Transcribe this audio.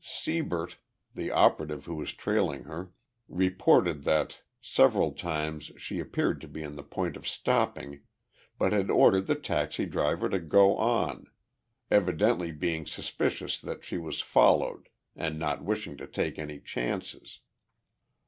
Sibert, the operative who was trailing her, reported that several times she appeared to be on the point of stopping, but had ordered the taxi driver to go on evidently being suspicious that she was followed and not wishing to take any chances.